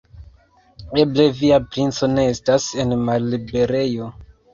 Eble, via princo ne estas en malliberejo.